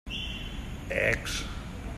Ecs!